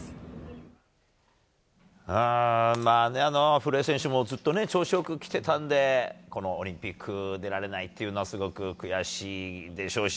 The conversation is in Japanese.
古江選手もずっと調子良く来てたのでこのオリンピック出られないっていうのはすごく悔しいでしょうし。